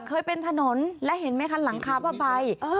เคยเป็นถนนและเห็นไหมคะหลังคาผ้าใบ